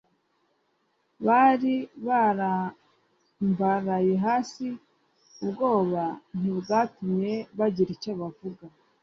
bari barambaraye hasi, ubwoba ntibwatumye bagira icyo bavuga.